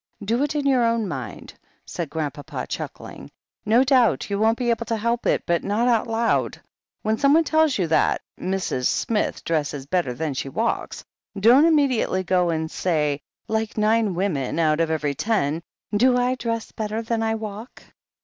Do it in your own mind," said Grand papa, chuckling; "no doubt you won't be able to help it — ^but not out loud. When someone tells you that Mrs. Smith dresses better than she walks, don't im mediately go and say, like nine women out of every ten, 'Do I dress better than I walk